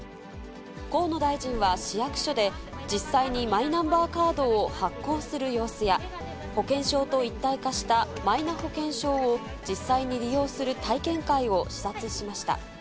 河野大臣は市役所で、実際にマイナンバーカードを発行する様子や、保険証と一体化したマイナ保険証を実際に利用する体験会を視察しました。